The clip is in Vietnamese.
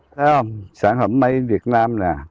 thấy không sản phẩm mấy việt nam nè